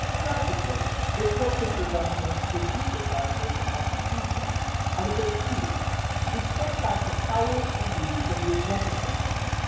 Tragically, it focuses on the most prodigious article of the Constitution, article II, which sets out the powers and duties of the Executive.